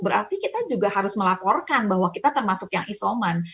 berarti kita juga harus melaporkan bahwa kita termasuk yang isoman